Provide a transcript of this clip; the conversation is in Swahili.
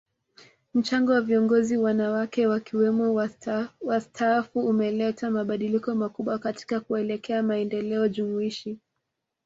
Mchango wa viongozi wanawake wakiwemo wastaafu umeleta mabadiliko makubwa katika kuelekea maendeleo jumuishi